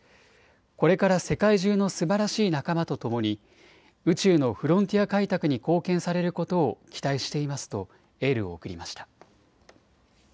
これから世界中のすばらしい仲間とともに宇宙のフロンティア開拓に貢献されることを期待していますとエールを送りました。